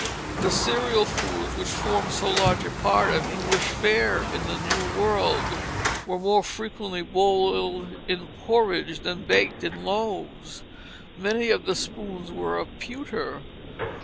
The cereal foods, which formed so large a part of English fare in the New World, were more frequently boiled in porridge than baked in loaves. Many of the spoons were of pewter.